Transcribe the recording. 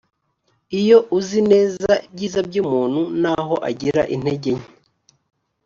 iyo uzi neza ibyiza by umuntu n aho agira intege nke